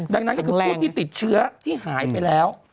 ดังนั้นพูดที่ติดเชื้อที่หายไปแล้ว